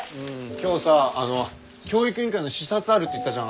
今日さ教育委員会の視察あるって言ったじゃん。